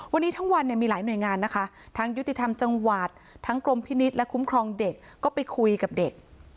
วันนี้ทั้งวันเนี่ยมีหลายหน่วยงานนะคะทั้งยุติธรรมจังหวัดทั้งกรมพินิษฐ์และคุ้มครองเด็กก็ไปคุยกับเด็ก